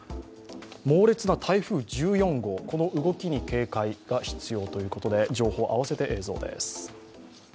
猛烈な台風１４号、この動きに警戒が必要ということで情報、併せて映像です。